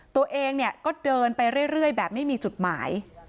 ตัวเองเนี่ยก็เดินไปเรื่อยแบบไม่มีจุดหมาย